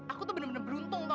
aku tuh bener bener beruntung kok